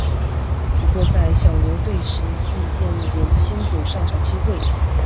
不过在小牛队时易建联鲜有上场机会。